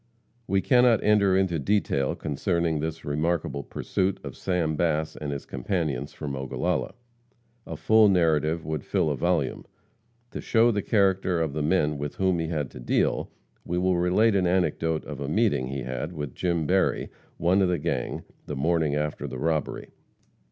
We cannot enter into detail concerning his remarkable pursuit of Sam Bass and his companions, from Ogallala. A full narrative would fill a volume. To show the character of the men with whom he had to deal, we will relate an anecdote of a meeting he had with Jim Berry, one of the gang, the morning after the robbery.